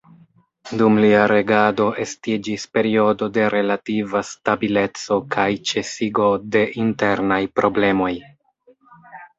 Dum lia regado estiĝis periodo de relativa stabileco kaj ĉesigo de internaj problemoj.